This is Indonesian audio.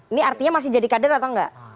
ini artinya masih jadi kader atau enggak